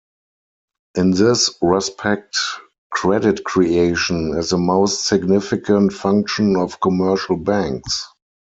In this respect, "credit creation" is the most significant function of commercial banks.